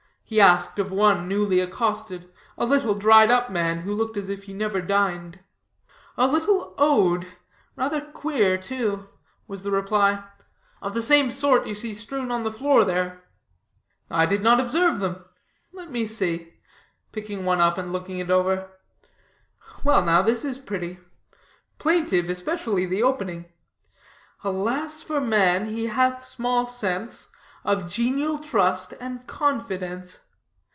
he asked of one newly accosted, a little, dried up man, who looked as if he never dined. "A little ode, rather queer, too," was the reply, "of the same sort you see strewn on the floor here." "I did not observe them. Let me see;" picking one up and looking it over. "Well now, this is pretty; plaintive, especially the opening: 'Alas for man, he hath small sense Of genial trust and confidence.'